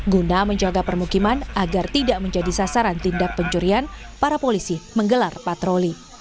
guna menjaga permukiman agar tidak menjadi sasaran tindak pencurian para polisi menggelar patroli